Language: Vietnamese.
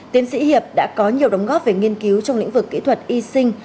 tiến sĩ hiệp đã có nhiều đóng góp về nghiên cứu trong lĩnh vực kỹ thuật y sinh